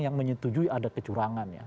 yang menyetujui ada kecurangan ya